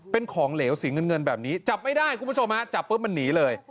เป็นของเหลวสีเงินเงินแบบนี้จับไม่ได้คุณผู้ชมฮะจับปุ๊บมันหนีเลย